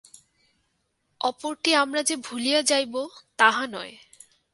অপরটি আমরা যে ভুলিয়া যাইব, তাহা নয়।